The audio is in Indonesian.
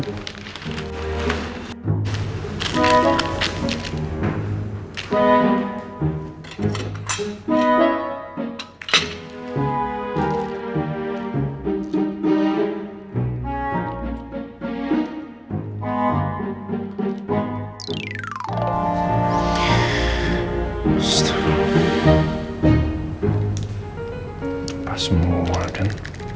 pas semua kan